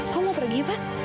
kok mau pergi pak